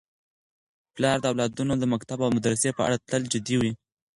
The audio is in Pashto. پلار د اولادونو د مکتب او مدرسې په اړه تل جدي وي.